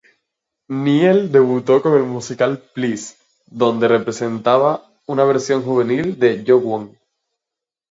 Niel debutó con el musical "Please", donde representaba una versión juvenil de Joo Won.